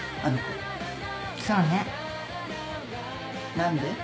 何で？